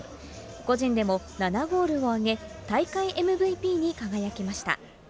個人でも７ゴールを挙げ、大会ＭＶＰに輝きました。